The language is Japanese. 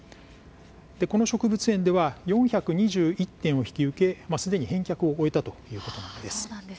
この植物園では４２１点を引き受け、すでに返却を終えたということです。